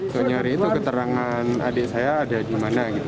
soal nyari itu keterangan adik saya ada di mana gitu